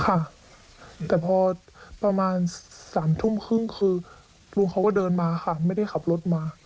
ค่ะแต่พอประมาณ๓ทุ่มครึ่งคือลุงเขาก็เดินมาค่ะไม่ได้ขับรถมา